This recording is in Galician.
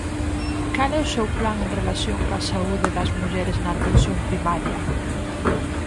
¿Cal é o seu plan en relación coa saúde das mulleres na atención primaria?